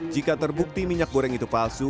jika terbukti minyak goreng itu palsu